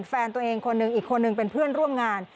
แฟนตัวเองคนหนึ่งอีกคนนึงเป็นเพื่อนร่วมงาน